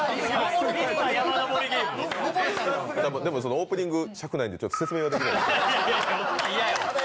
オープニング尺ないんで説明はできないですけど。